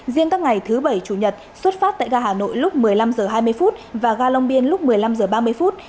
riêng các ngày thứ bảy chủ nhật xuất phát tại ga hà nội lúc một mươi năm h hai mươi và ga long biên lúc một mươi năm h ba mươi phút